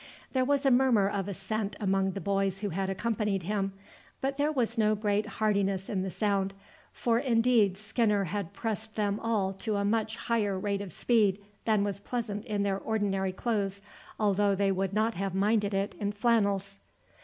There was a murmur of assent among the boys who had accompanied him, but there was no great heartiness in the sound; for indeed Skinner had pressed them all to a much higher rate of speed than was pleasant in their ordinary clothes, although they would not have minded it in flannels.